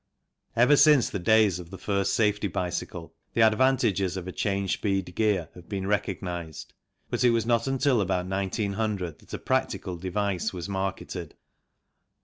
Ever since the days of the first safety bicycle the advantages of a change speed gear have been recognized, but it was not until about 1900 that a practical device was marketed.